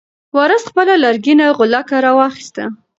وارث خپله لرګینه غولکه راواخیسته.